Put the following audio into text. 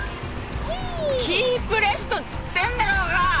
キープレフトっつってんだろうが！